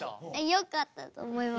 よかったと思います。